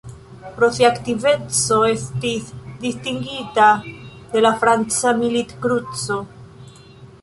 Pro sia aktiveco estis distingita de la franca Milit-Kruco.